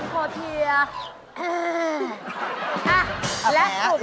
ไม่มักเย่งร้ายรูปดิ